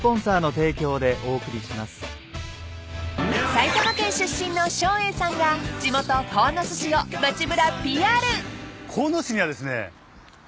［埼玉県出身の照英さんが地元鴻巣市を街ぶらＰＲ］